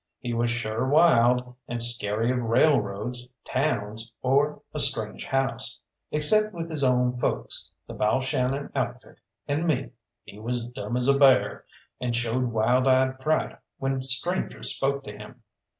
He was sure wild and scary of railroads, towns, or a strange house. Except with his own folks, the Balshannon outfit, and me, he was dumb as a bear, and showed wild eyed fright when strangers spoke to him.